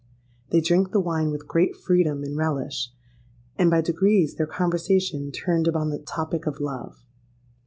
They drank the wine with great freedom and relish; and by degrees their conversation turned upon the topic of love.